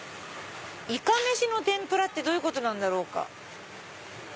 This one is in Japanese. イカメシの天ぷらってどういうことなんだろうか。